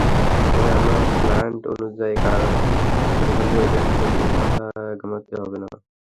তবে, আমার প্ল্যান অনুযায়ী কাজ হলে ওদেরকে নিয়ে মাথা ঘামাতে হবে না।